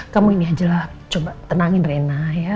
kamu ini ajalah coba tenangin rena ya